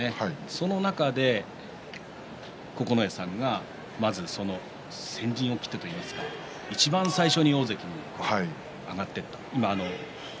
その中で九重さんが先陣を切ってといいますかいちばん最初に大関に上がっていった。